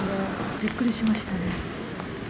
びっくりしましたね。